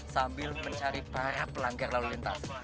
sambil mencari para pelanggar lalu lintas